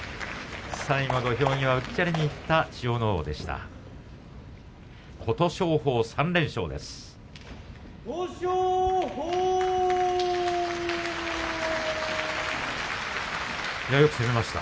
最後は土俵際うっちゃりにいった千代ノ皇でした。